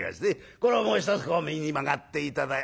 これをもう一つ右に曲がって頂い。